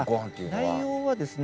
内容はですね